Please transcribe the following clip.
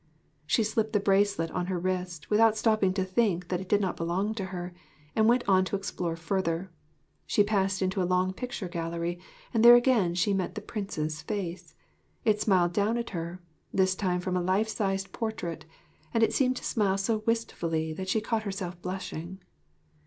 She slipped the bracelet on her wrist, without stopping to think that it did not belong to her, and went on to explore further. She passed into a long picture gallery, and there again she met the Prince's face. It smiled down at her, this time from a life sized portrait, and it seemed to smile so wistfully that she caught herself blushing.